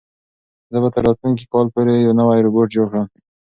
زه به تر راتلونکي کال پورې یو نوی روبوټ جوړ کړم.